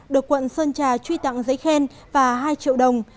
được quận sơn trà truy tặng giấy khen và hai triệu đồng